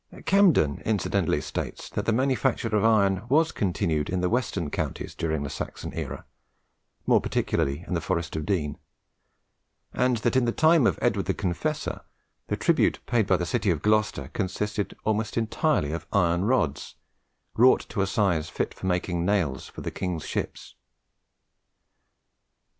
Camden incidentally states that the manufacture of iron was continued in the western counties during the Saxon era, more particularly in the Forest of Dean, and that in the time of Edward the Confessor the tribute paid by the city of Gloucester consisted almost entirely of iron rods wrought to a size fit for making nails for the king's ships.